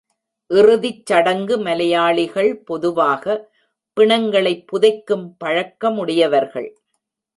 இறுதிச் சடங்கு மலையாளிகள் பொதுவாக, பிணங்களைப் புதைக்கும் பழக்க முடையவர்கள்.